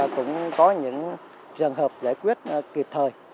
cũng có những trường hợp giải quyết kịp thời